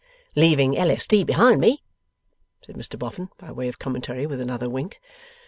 'Leaving L.s.d. behind me,' said Mr Boffin, by way of commentary, with another wink.